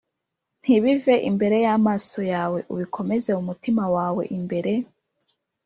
ntibive imbere y’amaso yawe, ubikomeze mu mutima wawe imbere